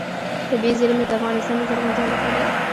طبیعي زیرمې د افغانستان د زرغونتیا نښه ده.